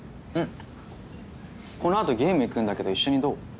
このあとゲーム行くんだけど一緒にどう？